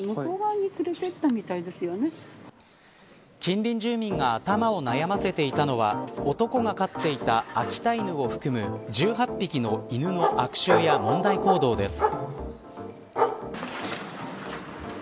近隣住民が頭を悩ませていたのは男が飼っていた秋田犬を含む１８匹の犬の悪臭や問題行動です。